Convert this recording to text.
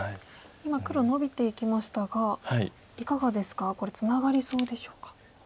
今黒がノビていきましたがいかがですかこれツナがりそうでしょうか？